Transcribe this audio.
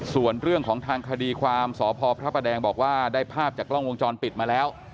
ส่วนเรื่องของทางคดีความสพพระประแดงบอกว่าได้ภาพจากกล้องวงจรปิดมาแล้ว